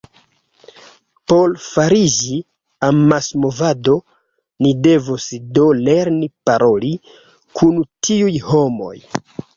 Por fariĝi amasmovado, ni devos do lerni paroli kun tiuj homoj.